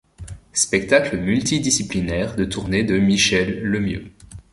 Spectacle multidisciplinaire de tournée de Michel Lemieux.